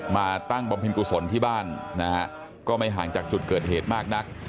ตั้งบำเพ็ญกุศลที่บ้านนะฮะก็ไม่ห่างจากจุดเกิดเหตุมากนัก